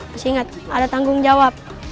masih ingat ada tanggung jawab